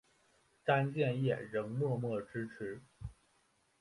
詹建业仍默默支持。